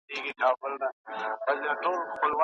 که ته زده کړه وکړې نو خپلواک کېږې.